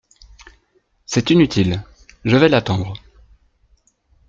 C’est inutile… je vais l’attendre…